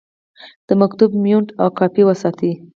د مکتوب مینوټ او کاپي وساتئ.